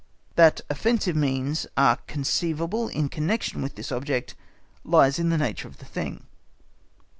That offensive means are conceivable in connection with this object, lies in the nature of the thing.